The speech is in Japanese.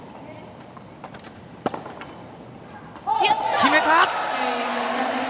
決めた！